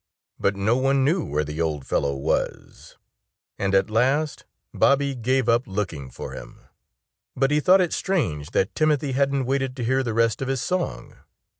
But no one knew where the old fellow was. And at last Bobby gave up looking for him. But he thought it strange that Timothy hadn't waited to hear the rest of his song.